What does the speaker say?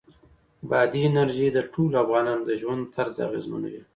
بادي انرژي د ټولو افغانانو د ژوند طرز اغېزمنوي.